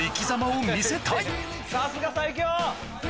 さすが最強！